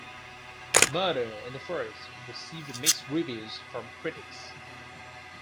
"Murder in the First" received mixed reviews from critics.